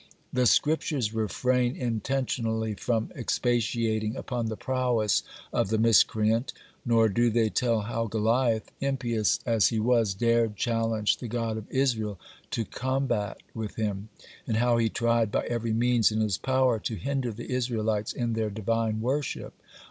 The Scriptures refrain intentionally from expatiating upon the prowess of the miscreant. Nor do they tell how Goliath, impious as he was, dared challenge the God of Israel to combat with him, and how he tried by every means in his power to hinder the Israelites in their Divine worship.